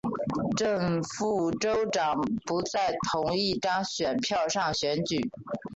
正副州长不在同一张选票上选举。